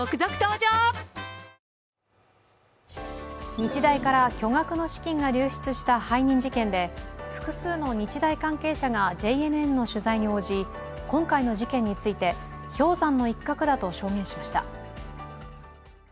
日大から巨額の資金が流出した背任事件で、複数の日大関係者がＪＮＮの取材に応じ今回の事件について氷山の一角だと証言しました。